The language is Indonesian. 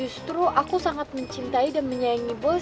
justru aku sangat mencintai dan menyayangi bos